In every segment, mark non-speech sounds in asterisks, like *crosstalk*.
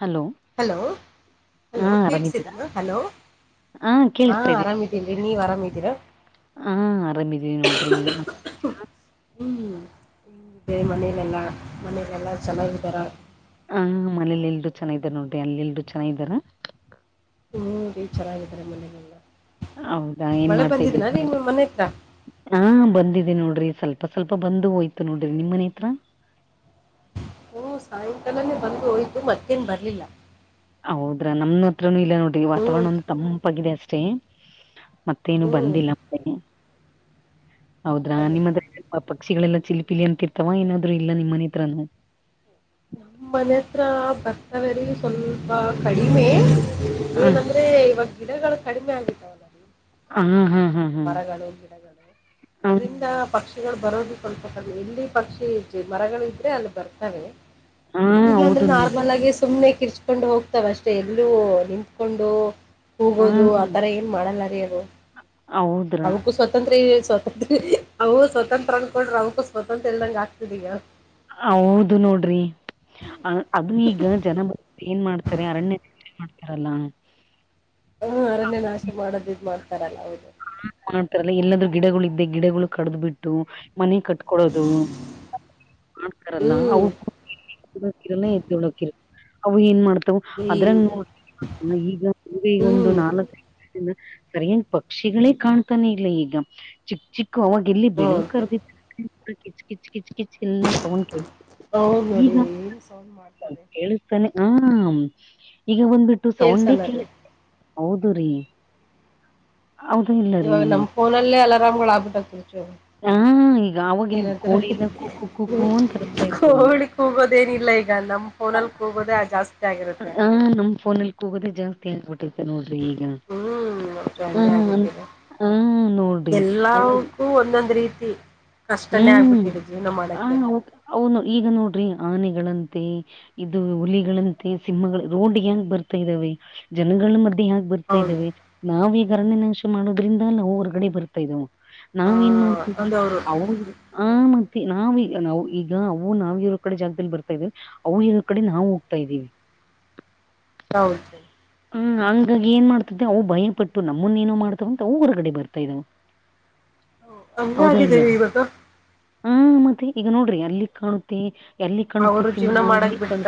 Hello. Hello hello ಹಾ ಆರಾಮಿದೀರಾ ಕೇಳ್ಸ್ತೀದೇನಾ ಹಲೋ. ಹಾ ಕೇಳಿಸ್ತಾ ಇದ್ದೀ ಆರಾಮಿದ್ದೀನ್ರಿ ನೀವ್ ಆರಾಮಿದ್ದೀರಾ. ಹಾ ಆರಾಮಿದೀವಿ ನೋಡ್ರಿ ಹ್ಞ ಹ ಬೇ ಮನೆಯಲೆೆಲ್ಲ ಮನೇಲೆೆಲ್ಲ ಚೆನ್ನಾಗಿದ್ದಾರ. ಹ ಮನೇಲಿ ಎಲ್ರೂ ಚೆನ್ನಾಯಿದರ ನೋಡ್ರಿ ಅಲ್ಲಿ ಎಲ್ರೂ ಚೆನ್ನ ಇದಾರ. ಹೂ ರಿ ಚೆನ್ನಾಗಿದ್ದಾರೆ ಮನೆಲೆಲ್ಲ ಹೌದಾ ಏನ್ ಮಳೆ ಮಾಡ್ತಾ ಇದ್ರಿ ಬಂದಿದೆನಾ ನಿಮ್ ಮನೆ ಹತ್ರ. ಹಾ ಬಂದಿದೆ ನೋಡ್ರಿ ಸ್ವಲ್ಪ ಸ್ವಲ್ಪ ಬಂದು ಹೋಯ್ತು ನೋಡ್ರಿ ನಿಮ್ ಮನೆ ಹತ್ರ. ಹ್ಞೂ ಸಾಯಂಕಾಲನೇ ಬಂದು ಹೋಯ್ತು ಮತ್ತೇನು ಬರಲಿಲ್ಲ. ಹೌದ್ರಾ ನಮನ ಹತ್ರನು ಇಲ್ಲ ನೋಡ್ರಿ ವಾತಾವರಣನೂ ತಂಪಾಗಿದೆ ಅಷ್ಟೇ ಮತ್ತೇನು ಬಂದಿಲ್ಲ ಹೌದ್ರಾ ನಿಮ್ಮ ಆ ಪಕ್ಷಿಗಳೆಲ್ಲ ಚಿಲಿ ಪಿಲಿ ಅಂತಿರ್ತವ ಏನಾದ್ರು ಇಲ್ಲ ನಿಮ್ಮನೆ ಹತ್ರನು. ಮನೆ ಹತ್ರ ಬರ್ತವ ರೀ ಸ್ವಲ್ಪ ಕಡಿಮೆ ಹ ಏನಂ ದ್ರ ಇವಾಗ ಗಿಡಗಳು ಕಡಿಮೆ ಆಗಿದ್ದವಲಾ. ಹಾ ಇಲ್ಲಂದ್ರ ಹಾ ಹಾ ಸ್ವಲ್ಪ ಹಾ ಮರಗಳು ಗಿಡಗಳು ಹಾ ಅದ್ರಿಂದ ಪಕ್ಷಿ ಕ್ಷಿಗಳು ಬರೋದ ಸ್ವಲ್ಪ ಕಡಿಮೆ ಎಲ್ಲಿ ಪಕ್ಷಿ ಮರಗಳ ಇದ್ರೆ ಅಲ್ಲಿ ಬರ್ತವೆ. ಹಾ ಇಲ್ಲಾಂದ್ರೆ ಹೌದು ನೋಡ್ರಿ ನಾರ್ಮಲ್ ಆಗಿ ಸುಮ್ನೆ ಕಿರ್ಚ್ಕೊಂಡು ಹೋಗ್ತಾವ ಅಷ್ಟೆ ಎಲ್ಲೂ ನಿಂತ್ಕೊಂಡು ಹಾ ಹೋಗೋದು ಆತರ ಏನ್ ಮಾಡಲ್ಲರಿ ಅದು ಹೌದ್ರಾ ಅಂಗೂ ಸ್ವಲ್ಪ ಸ್ವತಂತ್ರ ಸ್ವತಂತ್ರ ಅವು ಸ್ವತಂತ್ರ ಅನ್ಕೊಂಡ್ರೆ ಅವಕ್ಕೂ ಸ್ವತಂತ್ರ್ಯ ಇಲ್ದಂಗ ಆಗ್ತದೆ ಈಗ. ಹೌದು ನೋಡ್ರಿ. ಅ ಅದು ಈಗ ಜನ ಬ ಏನ್ ಮಾಡ್ತಾರೆ ಅರಣ್ಯ ನ್ ಮಾಡ್ತಾರಲ್ಲಾ. ಹ್ಮ ಅರಣ್ಯ ನಾಶ ಮಾಡದ ಇದ್ ಮಾಡ್ತಾರಲ್ಲ ಹೌದು. ಮಾಡ್ತಾರಲ್ಲ ಇಲ್ಲಂದ್ರ ಗಿಡಗಳು ಇದ್ದು ಗಿಡಗಳು ಕಡ್ದ್ ಬಿಟ್ಟು ಮನೆ ಕಟ್ಕೊಡೋದು ಮಾಡ್ತಾರಲ್ಲ *unintelligible* ಅವು ಏನ್ ಮಾಡ್ತಾವ ಅದ್ರಂಗ ನೋಡ್ರ ಹ ಈಗ ಈಗ ಒಂದು ನಾಲ್ಕು ಸರಿ ಹೆಂಗ ಪಕ್ ಪಕ್ಷಿಗಳೇ ಕಾಣ್ತಾನೆ ಇಲ್ಲ ಈಗ ಚಿಕ್ಕ ಚಿಕ್ಕ ಅವಾಗ ಎಲ್ಲಿ ಬೆಳ ಕರ್ದಿ *unintelligible* ಕಿಚ್ ಕಿಚ್ ಕಿಚ್ ಕಿಚ್ ಇಂದ ಸೌಂಡ್ ಕೇಳ್ತಿತ್ತು ಈಗ ಕೇಳ್ ಸರಿ ಆ ಈಗ ಒಂದ್ಬಿಟ್ಟು ಸೌಂಡೇ ಕೇಳಿಸ ಹೌದು ರೀ. ಹೌದ ಇಲ್ಲ ರೀ ನಿಮ್ದ ಫೋನಲ್ಲೇ ಅಲಾರಾಮ್ಗಳ ಆಗ್ಬಿಟ್ಟತಾ ಚು ಹಾ ಈಗ ಆವಾಗಿಲ್ಲಿ ಏನಂತೀರ. ಕೋಳಿ ಎಲ್ಲ ಕು ಕು ಕು ಕು ಹ್ಮ್ ಅಂತ ಅರಸ್ತಾ ಇತ್ತು ಕೋಳಿ ಕೂಗೋದೇನಿಲ್ಲ ಈಗ ನಮ್ ಫೋನಲ್ ಕೂಗೋದ ಆ ಜಾಸ್ತಿ ಹ್ಮ ನಮ್ ಫೋನಲ್ಲಿ ಕೂಗೋದೇ ಜಾಸ್ತಿ. *unintelligible* ನೋಡ್ರಿ ಈಗ. ಹಾ ನೋಡ್ರಿ ಅಲ್ಲ ಏಲಾವುಕ್ಕು ಒಂದೊಂದ್ ರೀತಿ. ಹ್ಮ್ ಹ ಅವ್ನು ಈಗ ನೋಡ್ರಿ ಆನೆಗಳಂತೆ ಇದು ಹುಲಿಗಳಂತೆ ಸಿಂಹಗಳು ರೋಡ್ ಹ್ಯಾಂಗ್ ಬರ್ತಾ ಇದಾವೆ ಜನಗಳ ಮಧ್ಯೆ ಹ್ಯಾಂಗ ಬರ್ತ ರ್ತಾ ಇದೇವಿ ನಾವ ಈಗ ಅರಣ್ಯ ನಾಶ ಮಾಡೋದ್ರಿಂದ ನಾವು ಹೊರಗಡೆ ಬರ್ತಾ ಇದ್ದವು. ನಾವ್ ಏನ್ ಮಾಡ್ತೀವಿ. ಆ ಮತ್ತೆ ನಾವ್ ಈಗ ನಾವು ಈಗ ಅವು ನಾವು ಇರೋ ಕಡೆ ಜಾಗದಲ್ಲಿ ಬರ್ತಾ ಇವೆ. ಅವು ಇರೋ ಕಡೆ ನಾವು ಹೋಗ್ತಾ ಇದ್ದೀವಿ. *unintelligible* ಹ್ಮ್ ಹಂಗಾಗಿ ಏನ್ ಮಾಡ್ತದೆ ಅವು ಭಯಪಟ್ಟು ನಮ್ಮನ್ನ ಏನೋ ಮಾಡ್ತವ ಅಂತ ಅವು ಹೊರಗಡೆ ಬರ್ತಾ ಇದಾವ. *unintelligible* ಹೌದಾ ಇಲ್ಲ ಹ್ಮ ಮತ್ತೆ ಈಗ ನೋಡ್ರಿ ಅಲ್ಲಿ. ಎಲ್ಲಿ ಕಾಣ್ತಿತೆ ಸಿಂಹ ಇಲ್ಲಿ ಕಾಣ್.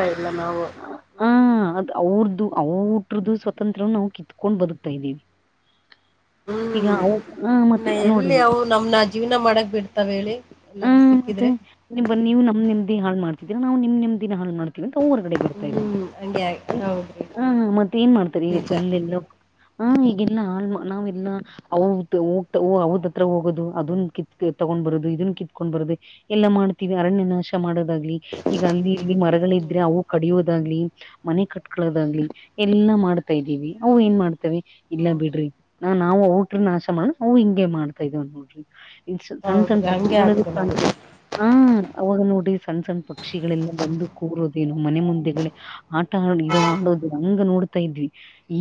ಹ ಅದು ಅವ್ರ್ದು ಅವ. *unintelligible* ಸ್ವಾತಂತ್ರ ನಾವು ಕಿತ್ಕೊಂಡ್ ಬದುಕ್ತಾ ಇದ್ದೀವಿ. ಹ್ಮ್ ಇನ್ನ ನೋಡ್ರಿ ಎಲ್ಲಿ ಅವು ನಮ್ನ ಜೀವ್ನ ಮಾಡಕ್ ಬಿಡ್ತಾವೇ ಹೇಳಿ. ಆ ಎಲ್ಲಾದ್ರೂ ಸಿಕ್ಕಿದೆ. ಮತ್ತೆ ನೀವು ನಮ್ದ ನೇಮದಿ ಹಾಳು ಮಾಡ್ತಿದೀರ ನಾವು ನಿಮ್ದು ನೇಮದಿ ಹಾಳ್ ಮಾಡ್ತೀವಿ ಅಂತ್ ಹೊರಗಡೆ. ಹಾ ಮತ್ತ ಏನ್ ಮಾಡ್ತಾರೆ ಈಗು ಫುಲ್. ಹಾ ಈಗಿಲ್ಲ ನಾವ ಇಲ್ಲ. ಹತ್ರ ಹೋಗೋದು ಅದನ್ ಕಿತ್ ತಗೊಂಡ್ ಬರೋದು ಇದನ್ ಕಿತ್ಕೊಂಡ್ ಬರದೆ. ಎಲ್ಲ ಮಾಡ್ತೀವಿ ಅರಣ್ಯನಾಶ ಮಾಡೋದಾಗ್ಲಿ. ಈಗ ಅಲ್ಲಿ ಇಲ್ಲಿ ಮರಗಳಿದ್ರೆ ಅವು ಕಡಿಯೋದಾಗ್ಲಿ ಮನೆ ಕಟ್ಕಳೋದಾಗ್ಲಿ. ಎಲ್ಲಾ ಮಾಡ್ತಾ ಇದ್ದೀವಿ ಅವು ಏನ್ ಮಾಡ್ತವೆ ಇಲ್ಲಾ ಬಿಡ್ರಿ. ನಾ ನಾವು ಔಟ್ರ ನಾಶ ಮಾಡ ನಾವು ಹಿಂಗೆ ಮಾಡ್ತಾ ಇದವ ನೋಡ್ರಿ. ಸಣ್ಣ ಸಣ್ಣ ಪಕ್ಷಿಗಳಲ್ಲ ಕಾಣ್ತೀರಿ. ಹಾ ಅವಾಗ ನೋಡ್ರಿ ಸಣ್ಣ ಸಣ್ಣ ಪಕ್ಷಿಗಳೆಲ್ಲ ಬಂದು ಕೂರೋದೇನು ಮನೆ ಮುಂದೆಗಳೇ. ಆಟ ಆ ಇದು ಆಡೋದು ಹಂಗ ನೋಡ್ತಾ ಇದ್ವಿ.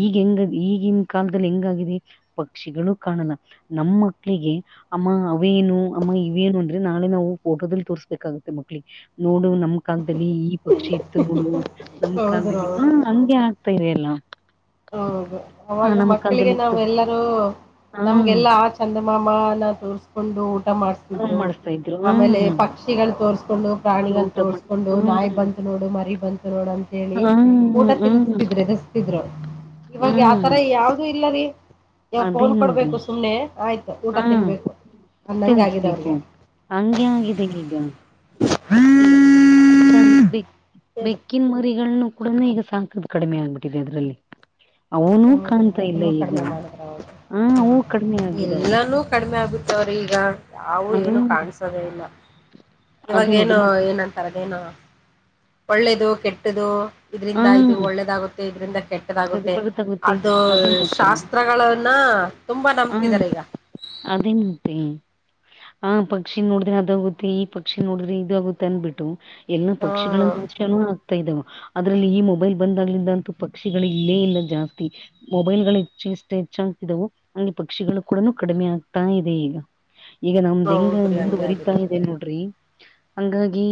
ಈಗ ಹೆಂಗ ಈಗಿನ ಕಾಲದಲ್ಲಿ ಹೆಂಗಾಗಿದೆ ಪಕ್ಷಿಗಳು ಕಾಣಲ್ಲ. ನಮ್ಮ ಮಕ್ಕಳಿಗೆ. ಅಮ್ಮ ಅವೇನು ಅಮ್ಮ ಇವೇನು ಅಂದ್ರೆ ನಾಳೆ ನಾವು ಫೋಟೋದಲ್ಲಿ ತೋರ್ಸ್ಬೇಕಾಗತ್ತೆ ಮಕ್ಳಿಗೆ. ನೋಡು ನಮ್ ಕಾಲದಲ್ಲಿ ಈ ಪಕ್ಷಿ ಇತ್ತು ನೋಡು ನಮ್ಮ ಕಾಲದಲ್ಲಿ. ಹಾಗೆ ಆಗ್ತಾ ಇದೆ ಎಲ್ಲಾ. ಅವಾಗ ಮಕ್ಕಳಿಗೆ ನಾವ ಎಲ್ಲರೂ ಹ ನಮ್ಗೆಲ್ಲಾ. ಚಂದಮಮನ ತೋರ್ರಿಸಿಕೊಂಡು ಊಟ ಮಾಡಿಸಿ ಫೋನ್ ಮಾಡಿಸ್ತಾ ಇದ್ರು ಆಮೇಲೆ ಹ್ಮ್ ಪಕ್ಷಿಗಳು ತೋರ್ಸ್ಕೊಂಡು ಕುತ್ಕೊಂಡ್ ಪ್ರಾಣಿಗಳು ಊಟ ಮಾಡ ತೋರ್ಸ್ಕೊಂಡು ನಾಯಿ ಬಂತು ನೋಡು ಮರಿ ಬಂತು. ಅಂತ ಹೇಳಿ ಹ್ಮ್ ಊಟ ಹ್ಮ್ ಹ್ಮ್ ತಿನ್ಸ್ತಿದ್ರೆ ಎದರಿಸುತಿದ್ರು ಇವಾಗ ಹ್ಮ್ ಯಾವತಾರ. ಯಾವ್ದೂಇಲ್ಲಾರಿ. ಯಾವಾಗ ಅದೇ ಫೋನ್ ನೋಡ್ರಿ ಕೊಡ್ಬೇಕು ಸುಮ್ಮ್ನೆ ಆಯ್ತು ಊಟ ಹಾ ತಿನ್ಬೇಕು ಹಂಗ ಆಗಿದ ತಿನ್ಸ್ಬೇಕು ಅವ್ರಿಗೆ. ಹಂಗೆ ಆಗಿದೆ ಈಗ. ಹ್ಮ್ *unintelligible* ಬೆಕ್ಕಿನ ಮರಿಗಳನ್ನ ಕೂಡ ಈಗ ಸಾಕದು ಕಡಿಮೆ ಆಗ್ಬಿಟ್ಟಿದೆ ಅದರಲ್ಲಿ. ಅವನುೂ ಕಾಣ್ತಾ ಇಲ್ಲ ಈಗ ಅವು ಕಡಿಮೆ ಆಗಿದಾವ. ಕಡಿಮೆ ಆಗುತ್ತೆ. *unintelligible* ಈಗ. ಯಾವು ಏನು ಹ್ಮ ಕಾಣಸೋದೇ ಇಲ್ಲ ಅದೇ ನೋಡಿ ಇವಾಗೇಏನು ಮ ಏನಂತಾರದೇನು ಒಳ್ಳೇದು ಕೆಟ್ಟ್ದು ಇದ್ರಿಂದ ಇದು ಹ್ಮ ಒಳ್ಳೇದಾಗುತ್ತೆ ಇದ್ರಿಂದ ಕೆಟ್ಟದಾಗುತ್ತೆ. ಬಡತಾಗುತ್ತೆ ಅದು ಅದೇ ಮತ್ತೆ ಶಾಸ್ತ್ರಗಳನ್ನ ತುಂಬಾ ಹ್ಮ ನಂಬ್ತಿದಿದ್ದಾರೆ ಈಗ. *unintelligible* ಹ. ಪಕ್ಷಿ ನೋಡಿದ್ರೆ ಅದಾಗುತ್ತೆ ಈ ಪಕ್ಷಿ ನೋಡಿದ್ರೆ ಇದು ಆಗುತ್ತೆ ಅಂದಬಿಟ್ಟು ಎಲ್ಲ ಪಕ್ಷಿಗಳನ್ನ ಆಗ್ತಾ ಇದಾದೇ ಅದ್ರಲ್ಲಿ ಈ ಮೊಬೈಲ್ ಬಂದ್ ಆಗ್ಲಿಂದ ಅಂತೂ ಪಕ್ಷಿಗಳ ಇಲ್ಲೇ ಇಲ್ಲ ಜಾಸ್ತಿ. ಮೊಬೈಲ್ಗಳು ಹೆಚ್ಚ ಇಷ್ಟ ಹೆಚ್ಚಾಗ್ತಿದವು. ಅಲ್ಲಿ ಪಕ್ಷಿಗಳು ಕೂಡ ಕಡಿಮೆ ಆಗ್ತಾ ಇದೆ ಈಗ. ಈಗ ನಮ್ ದಂಗ ಮುಂದುವರಿತಾ ಇದೆ ನೋಡ್ರಿ ಹಂಗಾಗಿ.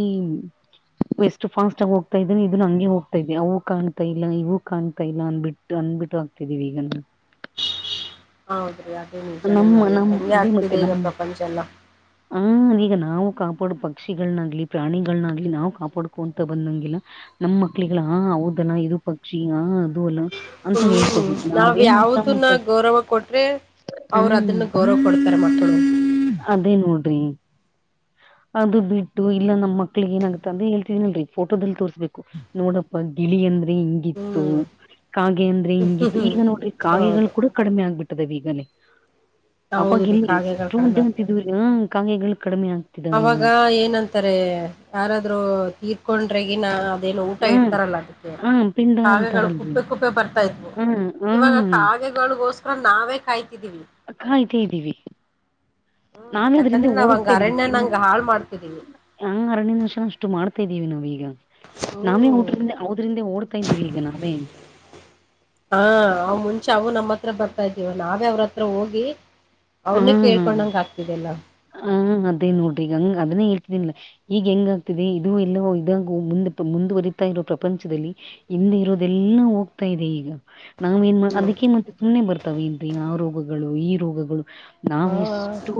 ಎಷ್ಟು ಫಾಸ್ಟ್ ಆಗ ಹೋಗತ ಇದ್ ಇದದುನ್ ಹಂಗೆ ಹೋಗ್ತ ಇದವಿ ಅವು ಕಾಣ್ತಾ ಇವು ಕಾಣತಾ ಇಲ್ಲ ಅಂದ್ಬಿಟ್ಟು. ಟ್ಟ್ ಅಂದ್ಬಿಟ್ಟ ಹೋಗ್ತಿದೀವಿ ಈಗ ನಾ ಹೌದ್ರೀ ಅದ ನಿಜಾನೇ ನಮ್ಮ ನೋಡಿ ನಮ್ ಹಂಗೆ ಆಗ್ತಿದೆ ಈಗ ಪ್ರಪಂಚ ಎಲ್ಲ. ಹ ಈಗ ನಾವು ಕಾಪಾಡ ಪಕ್ಷಿಗಳನಾಗ್ಲಿ ಪ್ರಾಣಿಗಳನಾಗ್ಲಿ ನಾವು ಕಾಪಾಡ್ಕೊಂತ ಬಂದಂಗಿಲ್ಲ. ನಮ್ಮ್ ಮಕ್ಳಿಗಲ್ಲ ಹ ಹೌದಲ್ಲಾ ಇದು ಪಕ್ಷಿ ಆ ಅದು ಅಲ್ಲ. ಅಂತ ಹ್ಮ ಹೇಳ್ಕೊಡ್ಬೇಕು ನಾವ್ ನಾವೇನ್ ಅರ್ಥ ಯಾವ್ದನ್ನ ಮಾಡ್ಕ ಗೌರವ ಕೊಟ್ರೆ. ಅವರ ಹ್ಮ್ ಅದನ್ನ ಗೌರವ ಕೊಡ್ತಾರೆ ಮಕ್ಕಳು. ಅದೇ ನೋಡ್ರಿ. ಅದು ಬಿಟ್ಟು ಇಲ್ಲ ನಮ್ಮ್ ಮಕ್ಳಿಗೆ ಏನಾಗತ್ತ ಅದೆ ಹೇಳ್ತೀದಿನಲ್ರಿ ಫೋಟೋದಲ್ಲಿ ತೋರಸ್ಬೇಕು. ನೋಡ್ರಪ್ಪಾ ಗಿಳಿ ಅಂದ್ರೆ ಹಿಂಗ್ ಇತ್ತು ಕಾಗೆ ಅಂದ್ರೆ ಹಿಂಗಿತ್ತು ಈಗ ನೋಡ್ರಿ ಕಾಗೆಗಳು ಕೂಡ. ಕಡಿಮೆ ಆಗ್ಬಿಟ್ಟದವ ಈಗಲೇ ಅವಾಗ ಇಲ್ಲಿ ಎಷ್ಟು ಅದ್ದ್ಯಾಡತಿದ್ದುವರಿ. ಕಾಗೆಗಳ ಕಡಮೆ ಆಗ್ ಅವಾಗ ಏನಂತಾರೆ ಯಾರಾದ್ರೂ ತೀರ್ಕೊಂಡ್ರಗಿನ ಅದೇನೋ ಊಟ ಹ ಇಡ್ತಾರಲ್ಲ ಅದಕ್ಕೆ ಹ ಪಿಂಡ ಕಾಗೆಗಳು ಅಂತಾರಲ್ರಿ ಕುಪ್ಪೆ ಕುಪ್ಪೆ ಬರ್ತಾ ಇದ್ವು ಹ ಇವಾಗ ಹ ಕಾಗೆ. ಗಳಿಗೋಸ್ಕರ ನಾವೇ ಕಾಯ್ತಿದ್ದೀವಿ. ಕಾಯ್ತಾ ಇದೀವಿ ನಾವೇ ಅದರಿಂದೆ ಓಡ ಹೋಗ್ತಾ ಇದಿವಿ. ನಂಗ ಹಾಳ್ ಮಾಡ್ತಿದ್ದೀವಿ. *unintelligible* ನಿಮಿಷ ಅಷ್ಟು ಮಾಡ್ತಾ ಇದ್ದೀವಿ ನಾವೀಗ ನಾವೇ. ಅದ್ರಿಂದ ಅವದ್ರಿಂದೆ ಓಡ್ತಾ ಇದೀವಿ ಈಗ ನಾವೇ. ಹ ಅವ್ ಮುಂಚೆ ಅವು ನಮ್ಮತ್ರ ಬರ್ತಾ ಇದ್ದೀವ ನಾವೇ ಅವ್ರ ಹತ್ರ ಹೋಗಿ. ಅವ್ರನ್ನೆ ಕೇಳ್ಕೊಂಡಂಗ ಆಗ್ತಿದೆಲ್ಲ. ಹ ಅದೇ ನೋಡ್ರಿ ಈಗ ಹಂಗ ಅದನ್ನೇ ಹೇಳ್ತಿದನಲ್ಲ. ಈಗ ಹೆಂಗ ಆಗ್ತಿದೆ ಇದು ಎಲ್ಲವ ಇದಾಗ ಮುಂದ ಮುಂದುವರಿತಾ ಇರೋ ಇರೋ ಪ್ರಪಂಚದಲ್ಲಿ. ಹಿಂದೆ ಇರೋದೆಲ್ಲಾ ಹೋಗ್ತಾ ಇದೆ ಈಗ. ನಾವೇನ್ ಮಾ ಅದಕ್ಕೆ ಮತ್ತೆ ಸುಮ್ಮ್ನೆ ಬರ್ತಾವೇನ್ರಿ ಆ ರೋಗಗಳು ಈ ರೋಗಗಳು. ನಾವ ಎಷ್ಟೋ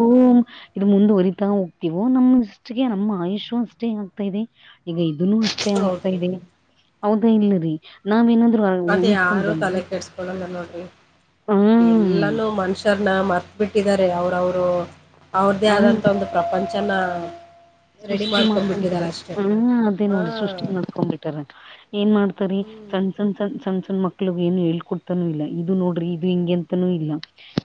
ಇದ ಮುಂದುವರಿತಾ ಹೋಗ್ತಿವೋ ನಮ ಇಷ್ಟಿಗೆ ನಮ್ಮ ಆಯುಷ್ಯ ಅಷ್ಟೇ ಆಗ್ತಾ ಇದೆ. ಈಗ ಇದನ್ನು ಅಷ್ಟೇ ಆಗ್ತಾ ಇದೆ ಹೌದಾ ಇಲ್ಲರಿ ನಾವೇನಾದ್ರು ಅದ ಉಳ್ಸ್ಕೊಂಡ್ ಯಾರು ಬಂದ್ರೆ ತಲೆ ಕೆಡ್ಸ್ಕೊಳಲ್ಲ ನೋಡ್ರಿ ಹಾ ಇಲ್ಲಿ ಎಲ್ಲಾನೂ ಮನುಷ್ಯರನ್ನ ಮರ್ತ್ ಬಿಟ್ಟಿದ್ದಾರೆ ಅವ್ರವರು ಅವ್ರ್ದೇ ಹಾ ಆದಂತ ಒಂದು ಪ್ರಪಂಚನ. ಸೃಷ್ಟಿ ಮಾಡ್ಕೊಂಡ ಬಿಟ್ಟಿದಾರೆ ಹ ಅದೇ ನೋಡಿ ಸೃಷ್ಟಿ ಮಾಡ್ಕೊಂಡ್ ಬಿಟ್ಟಾರ ಏನ್ ಮಾಡ್ತಾರಿ. ಸಣ್ಣ ಸಣ್ಣ ಸಣ್ಣ ಸಣ್ಣ್ ಸಣ್ಣ ಮಕ್ಳಗು ಏನು ಹೇಳ್ ಕೊಡ್ತಾನು ಇಲ್ಲ ಇದು ನೋಡ್ರಿ ಇದು ಹಿಂಗೆ ಅಂತಾನೂ ಇಲ್ಲ.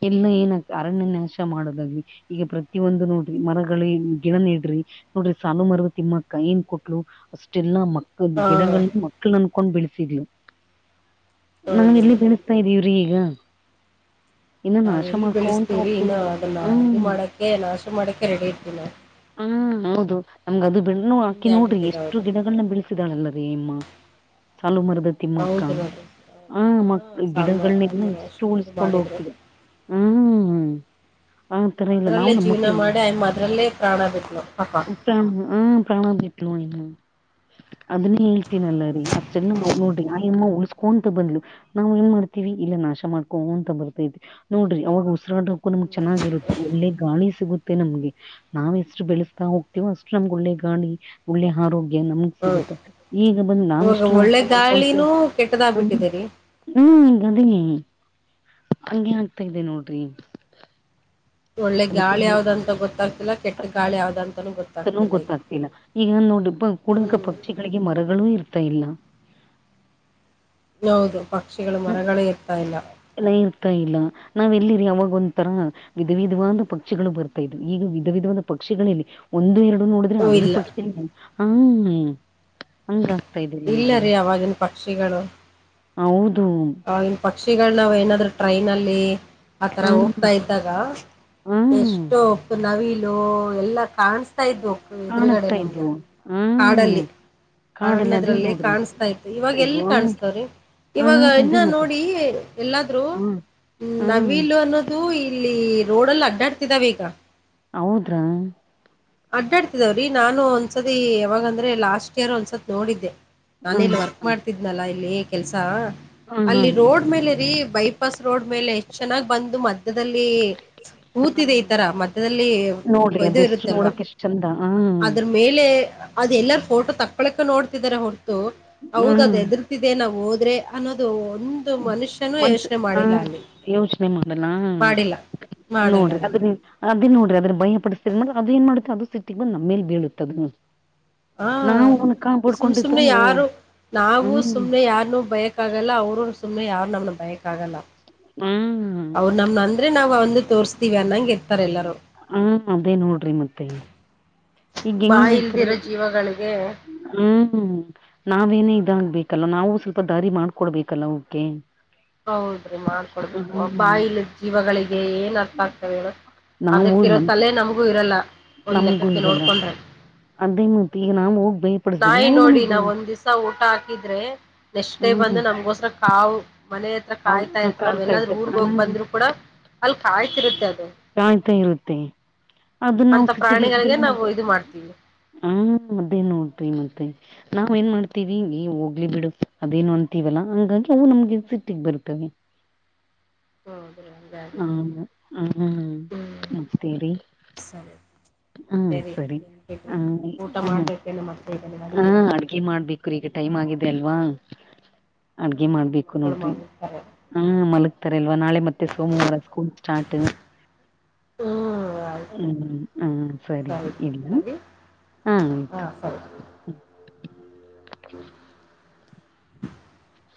ಇಲ್ಲ ಏನ ಅರಣ್ಯ ನಾಶ ಮಾಡೋದಾಗಲಿ. ಈಗ ಪ್ರತಿಯೊಂದು ನೋಡ್ರಿ ಮರಗಳ ಗಿಡ ನೆಡ್ರಿ. ನೋಡ್ರಿ ಸಾಲು ಮರದ ತಿಮ್ಮಕ್ಕ ಏನ್ ಕೊಟ್ಲು ಅಷ್ಟೆಲ್ಲಾ ಮಕ್ಕ ಗಿಡಗಳನ್ನ ಮ್ ಕ್ಳನ್ಕೊಂಡ ಬೆಳಸಿದ್ಲು ನಾವ ಎಲ್ಲಿ ಬೆಳಸ್ತಾ ಇದೀವ್ರೀ ಈಗ. ಇನ್ನ ನಾವ್ ನಾಶ ಎಲ್ಲಿ ಮಾಡ್ಕೊಂತ ಬೆಳೆಸ್ತೀವ್ರೀ ಇನ್ನ ಹೋಗ್ತಿದೀವಿ ಅದನ್ನ ಇದು ಹ್ಮ್ ಮಾಡಕ್ಕೆ ನಾಶ ಮಾಡಕ್ಕೆ ರೆಡಿ ಇರ್ತೀವಿ ನಾ ಹ್ಮ್ ಹೌದು ನಮ್ಗ ಅದು ಬೆಣ್ಣು ಹಾಕಿ ನೋಡ್ರಿ ಎಷ್ಟು ಗಿಡಗಳನ್ನ ಬಿಳ ಸ್ತೀದಾಳಲ್ಲರಿ ಮಾ ಸಾಲು ಮರದ ತಿಮ್ಮಕ್ಕ ಆ ಮಕ್ ಗಿಡಗಳನ್ನೆಲ್ಲ ಎಷ್ಟು ಉಳಿಸಕೊಂಡ್ ಹೋಗ್ತಿದೆ. ಹ್ಮ್. ಆತರ ಇಲ್ಲ ನಾವು ಅದ್ರಲ್ಲೇ ನಮ್ಮ ಜೀವನ ಮಕ್ಳಿಗೆ ಮಾಡಿ ಆಯಮ್ಮ ಅದ್ರಲ್ಲೇ ಪ್ರಾಣ ಬಿಟ್ಲು. ಪ್ರಾಣ ಹ್ಮ್ ಪ್ರಾಣ ಬಿಟ್ಲು ಆಯಮ್ಮ. ಅದನ್ನೇ ಹೇಳ್ತೀನಲ್ಲರೀ ಅಷ್ಟ್ ಎಲ್ಲ ನೋಡ್ರಿ ಆಯಮ್ಮ ಉಳಸ್ಕೊಂತ ಬಂದ್ಲು. ನಾವ್ ಏನ್ ಮಾಡ್ತಿವಿ ಇಲ್ಲ ನಾಶ ಮಾಡ್ಕೋ ಅಂತ ಬರ್ತೈವ. ನೋಡ್ರಿ ಅವಾಗ ಉಸಿರಾಡಕ್ಕೂ ನಮಗ ಚೆನ್ನಾಗಿರುತ್ತೆ ಒಳ್ಳೆ ಗಾಳಿ ಸಿಗುತ್ತೆ ನಮ್ಗೆ ನಾವ್ ಎಷ್ಟು ಬೆಳೆಸ್ತಾ ಹೋಗ್ತೇವೋ ಅಷ್ಟ ನಮ್ಗ ಒಳ್ಳೆ ಗಾಳಿ ಒಳ್ಳೆ ಆರೋಗ್ಯ ಸಿಗುತ್ತ ಈಗ ಬಂದ ನಾವ ಎಷ್ಟು ನಾವಿಷ್ಠ ಮಾಡ್ಕೊತ ಹ್ಮ ಹ್ಮ ಗದನೇ ಹಂಗೆ ಆಗ್ತಾ ಇದೆ ನೋಡ್ರಿ. ಒಳ್ಳೆ ಅದಕ್ಕೆ ಗಾಳಿ ಏನು ಯಾವ್ದ ಅಂತ ಗೊತ್ತಾಗ್ತಿಲ್ಲ ಕೆಟ್ಟ ಗಾಳಿ ಯಾವ್ದ ಅಂತಾನೂ ಗೊತ್ ತನು ಗೊತ್ತಾಗ್ತಿಲ್ಲ ಈಗ ನೋಡಿ ಬ ಕೂಡಕ ಪಕ್ಷಿಗಳಿಗೆ ಮರಗಳು ಇರ್ತಾ ಇಲ್ಲ. ಹೌದು ಪಕ್ಷಿಗಳು ಮರಗಳ ಇರ್ತಾ ಇಲ್ಲ. ಲ್ಲ ಇರ್ತಾ ಇಲ್ಲ ನಾವ್ ಎಲ್ಲಿರಿ ಅವಾಗ ಒಂತರ ವಿಧ ವಿಧವಾದ ಪಕ್ಷಿಗಳು ಬರ್ತಾ ಇದವ ಈಗ ವಿಧ ವಿಧವಾದ ಪಕ್ಷಿಗಳ ಇಲ ಒಂದು ಎರಡು ನೋಡ ರೇ ಅವೇ ಪಕ್ಷಿ ಹ್ಮ ಹಂಗ ಆಗ್ತಾ ಇದೆ. ಇಲ್ಲರೀ ಅವಾಗಿನ ಪಕ್ಷಿಗಳು. ಹೌದು. ಅವಾಗಿನ ಪಕ್ಷಿಗಳ ನಾವ ಏನಾದ್ರು ಟ್ರೈನಲ್ಲಿ ಆತರ ಹ್ಮ್ ಹೋಗ್ತಾ ಇದ್ದಾಗ ಹ್ಮ್ ಎಷ್ಟೋ ಓಪ ನವಿಲು ಎಲ್ಲಾ ಕಾಣ ತ ಇದ್ವು ಎದೂರಗಡೆ ಕಾಣಿಸ್ತಾ ನಮ್ಗೆ ಇದ್ವು ಹ್ಮ್ ಕಾಡಲ್ಲಿ ಕಾಡಲ್ಲಿ ಅದೇ ಅರಣ್ಯದ್ರಲ್ಲೇ ನೋಡ್ರಿ ಕಾಣಿಸತಾ ಇತ್ತ ಇವಾಗ ಇದ್ವು ಎಲ್ಲಿ ಕಾಣಸ್ತವ್ರಿ ಇವಾಗ ಹ್ಮ್ ಇನ್ನ ಅದೇ ಮತ್ತೆ ನೋಡಿ ಎಲ್ಲಾದ್ರು ಹ್ಮ್ ಹ್ಮ್ ನವಲು ಅನ್ನೋದ ತು ಇಲ್ಲಿ ರೋಡಲ್ಲಿ ಅಡ್ಡಾಡ್ತಿದಾವ ಈಗ ಹೌದ್ರಾ ಅಡ್ಡಾಡ್ತಿದಾವ್ರಿ ನಾನು ಒಂದ್ಸತಿ ಯಾವಾಗಂದ್ರೆ ಲಾಸ್ಟ್ ಇಯರ್ ಒಂದ್ಸತ್ ನೋಡಿದ್ದೆ. ನಾನೀಲ್ಲಿ ಹ್ಮ್ ವರ್ಕ್ ಮಾಡ್ತಿದ್ನಲ್ಲಾ ಇಲ್ಲಿ ಕೆಲ್ಸ ಹಾ ಹಾ ಅಲ್ಲಿ ರೋಡ್ ಹಾ ಮೇಲೆ ರೀ ಬೈಪ್ ಪಸ್ ರೋಡ್ ಮೇಲೆ ಎಷ್ಟ ಚೆನಾಗ್ ಬಂದು ಮಧ್ಯದಲ್ಲಿ ಹಾ ಊತಿದೆ ಈ ತರ ಮಧ್ಯದಲ್ಲಿ ನೋಡ್ರಿ ಒಯ್ದ ಅದೆಷ್ಟು ಇರುತ್ತಲ್ವಾ. ನೋಡಕ್ ಎಷ್ಟ್ ಚಂದ ಹ್ಮ ಮೇಲೆ ಅದ ಎಲ್ಲಾರ ಫೋಟೋ ತಕ್ಕಕೊಳ ನೋಡ್ತಿದ್ದಾರೆ ಹೊರತು ಹೌದ ಅದ ಹ್ಮ್ ಎದ್ರ ದಿದೆ ನಾವ ಹೋದ್ರೆ ಅನ್ನೋದು ಒ ದು ಮನುಷ್ಯನು ಮನ್ಷ ಯೋಚನೆ ಹ ಮಾಡಿಲ್ಲ ಅಲ್ಲಿ ಯೋಚನೆ ಮಾಡಲ್ಲ ಹಾ ಮಾಡಿಲ್ಲ. ನೋಡ್ರಿ ಅದು ನೀ ಅದ ನೋಡ್ರಿ ಅದ್ರ ಭಯ ಪಡಿಸತೀರಿಂದ್ರ ಅದ ಏನ್ ಮಾಡುತ್ತೆ ಅದು ಸಸಿಟ್ಟಿ ಬಂದ ನಮ್ಮೇಲೆ ಬೀಳತ ಅ ಹ ಸುಮ್ ಸುಮ್ನೆ ನೀವು ಯಾರು ನಾವೂ ಹ್ಮ್ ಸುಮ್ನೆ ಯಾರನು ಬಯಕ್ ಕಾಗಲ್ಲ ಅವರು ಸುಮ್ಮನೆ ಯಾರು ನಮ್ಮ ಭಯಕ್ಕಾಗಲ್ಲ. ಹ್ಮ ಅವ್ರ ನಮ್ ಅಂದ್ರೆ ನಾವ್ ಅಂದ ತೋರ್ಸ್ತಿವಿ ಅನ್ನಂಗಗೆರ್ತಾರೆ ಎಲ್ಲರು. ಹ ಅದೇ ನೋಡ್ರಿ ಮತ್ತೆ ಈಗ ಬಾಯ ಇಲ್ದಿರೋ ಜೀವಗಳಿಗೆ ಹ್ಮ ನಾವೇನೇ ಇದಾಗ್ಬೇಕಲ್ಲ ನಾವು ಸ್ವಲ್ಪ ದಾರಿ ಮಾಡ್ಕೊಡ್ಬೇಕಲ್ಲ ಅವಕೇ ಹೌದ್ರಿ ಮಾಡ್ಕೊಡ್ಬೇಕ ಬಾಯಿ ಇಲ್ಲದ ಜೀವಗಳಿಗೆ ಏನ್ ಅರ್ಥ ಆಗ್ತ ಹೇಳು. ನಾವು ಅದಕ್ಕಿರೋ ಮನ್ ತಲೆ ನಮಗೂ ಇರಲ್ಲ ಒಂದ ನಮ್ಗೂ ಲೆಕ್ಕಕ್ಕೆ ಇರಲ್ಲ ನೋಡ್ಕೊಂಡ್ರೆ ಅದೇ ಮತ್ತ ಈಗ ನಾ ಹೋಗಿ ಭಯಪಡಿಸ್ದಾಗ ನಾವು ನಮಗ ಭ ಸ ಊಟ ಹಾಕಿದ್ರೆ ನೆಕ್ಸ್ಟ್ ಡೇ ಬಂದು ಹ್ಮ್ ನಮ್ಗೋಸ್ರ ಕಾವು ಮನೆ ಕಾಯ್ತಾ ಅವ ಇರತ್ತ ಕಾಲ್ ನಾವ ಎಲ್ಲಾದ್ರೂ ಕಾಯ್ತ ಊರ್ಗ ಹೋಗಿ ಹ್ಮ್ ಬಂದ್ರು ಕೂಡ ಅಲ್ಲಿ ಕಾಯ್ತಿರುತ್ತೆ ಅದ. ಕಾಯ್ತಾ ಇರುತ್ತೆ ಅದು ನಾವು ಸಿಟ್ಟಗೆಸ್ರ ಹ್ಮ ಅದೇ ನೋಡ್ವಿ ಮತ್ತೆ ನಾವ್ ಏನ್ ಮಾಡ್ತೀವಿ ಹೋಗ್ಲಿ ಬಿಡು ಅದೇನು ಅಂತೀವಲ್ಲಾ ಹಂಗಾಗಿ ಅವು ನಮ್ಗೆ ಸಿಟ್ಟಿಗೆ ಬರ್ತವೆ. ಹೌದ *unintelligible* ಹಾ ಹ ಹ್ಮ ಹ್ಮ ನಮಸ್ತೇರಿ *unintelligible* ಸರಿ ಹ್ಮ ಸರಿ ಹ ಹ ಹ *unintelligible* *inaudible* ಅಡ್ಗೆಮಾಡ್ಬೇಕಲ್ರಿ ಈಗ ಟೈಮ್ ಆಗಿದೆ ಅಲ್ವಾ. ಅಡ್ಗೆ ಮಾಡ್ಬೇಕು ನೋಡ್ರಿ ಹ ಮಲಗ್ತಾರಲ್ವಾ ನಾಳೆ ಮತ್ತೆ ಸೋಮ ವಾರ ಸ್ಕೂಲ್ ಸ್ಟಾರ್ಟ್. ಹ್ಮ್, ಹ್ಮ ಸರಿ ಇಲ್ಲ ಹಾ ಆಯ್ತು. ಹೌ *unintelligible* *inaudible*